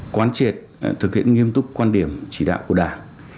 quán triệt thực hiện nghiêm túc quan điểm chỉ đạo của đảng